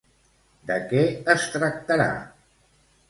De què es tractarà?